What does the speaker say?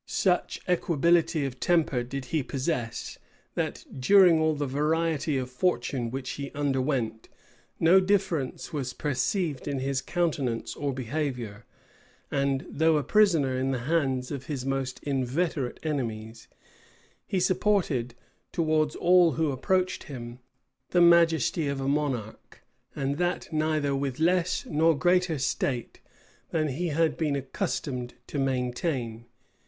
Such equability of temper did he possess, that, during all the variety of fortune which he underwent, no difference was perceived in his countenance or behavior; and though a prisoner in the hands of his most inveterate enemies, he supported, towards all who approached him, the majesty of a monarch; and that neither with less nor greater state than he had been accustomed to maintain.